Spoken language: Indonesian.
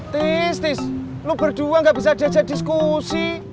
tis tis lo berdua gak bisa aja aja diskusi